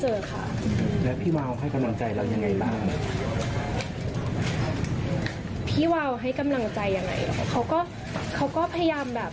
หิวอลให้กำลังใจอย่างอะไรเอามเขาก็เค้าก็พยายามแบบ